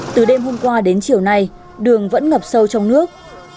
từ đêm hôm qua đến chiều nay đường vẫn ngập sâu trong nước